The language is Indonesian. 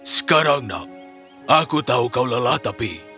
sekarang nak aku tahu kau lelah tapi